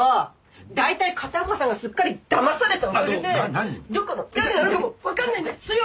大体片岡さんがすっかりだまされたおかげでどこの誰なのかもわからないんですよ！